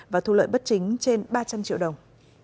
và thu lợi bất chính trên ba trăm linh triệu đồng